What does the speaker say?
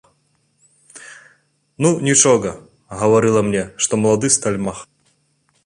Ну, нічога, гаварыла мне, што малады стальмах.